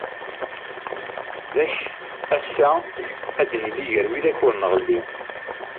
D akke ass-a ad nili gar widak ur nɣelli.